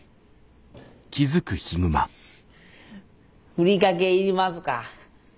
ふりかけいりますか？